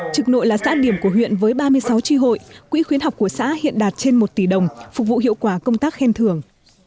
trực nội là xã điểm của huyện với ba mươi sáu tri hội quỹ khuyến học của xã hiện đạt trên một tỷ đồng phục vụ hiệu quả công tác khen thưởng